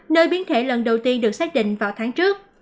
nơi biến thể lần đầu tiên được xác định vào tháng trước